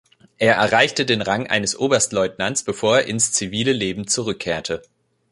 Er erreichte den Rang eines Oberstleutnants, bevor er ins zivile Leben zurückkehrte.